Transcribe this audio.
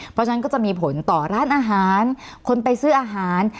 เพราะฉะนั้นก็จะมีผลต่อร้านอาหารคนไปซื้ออาหาร